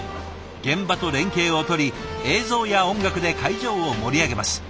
現場と連携をとり映像や音楽で会場を盛り上げます。